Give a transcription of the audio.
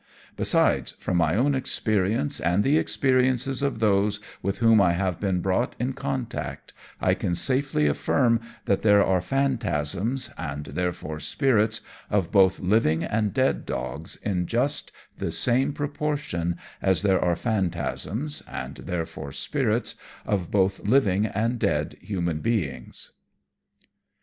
Besides, from my own experience, and the experiences of those with whom I have been brought in contact, I can safely affirm that there are phantasms (and therefore spirits) of both living and dead dogs in just the same proportion as there are phantasms (and therefore spirits) of both living and dead human beings.